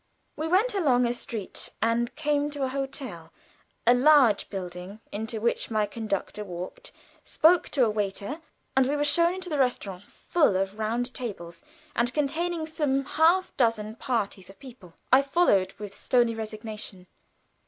We went along a street and came to a hotel, a large building, into which my conductor walked, spoke to a waiter, and we were shown into the restaurant, full of round tables, and containing some half dozen parties of people. I followed with stony resignation.